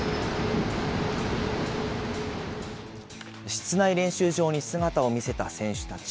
室内練習場に姿を見せた選手たち。